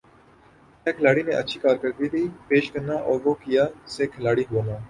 کَیا کھلاڑی نے اچھی کارکردگی پیش کرنا اور وُہ کَیا سے کھلاڑی ہونا